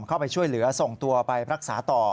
เข้าไปช่วยเหลือส่งตัวไปรักษาต่อ